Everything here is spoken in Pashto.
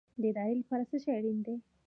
د ارادې لپاره څه شی اړین دی؟